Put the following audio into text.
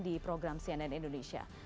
di program cnn indonesia